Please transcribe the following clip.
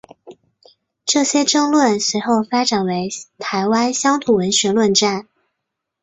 这些争论随后发展为台湾乡土文学论战。